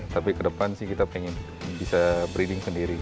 tapi ke depan sih kita pengen bisa breeding sendiri